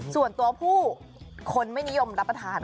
ส่วนตัวผู้คนไม่นิยมรับประทาน